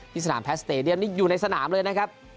ที่สนามแพลทสเตดียมอยู่ในสนามเลยนะครับ